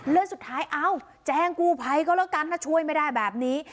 แล้วสุดท้ายแจ้งกูไพเขาแล้วกันถ้าช่วยไม่ได้แบบนี้